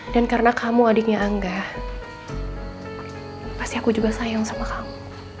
dan karena kamu adiknya angga pasti aku juga sayang sama kamu